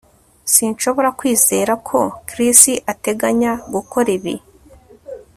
Sinshobora kwizera ko Chris ateganya gukora ibi